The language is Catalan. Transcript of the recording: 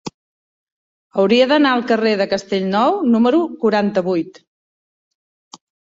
Hauria d'anar al carrer de Castellnou número quaranta-vuit.